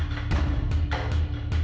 tentu saja saya ingin